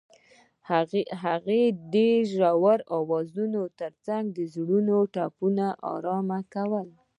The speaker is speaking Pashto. هغې د ژور اوازونو ترڅنګ د زړونو ټپونه آرام کړل.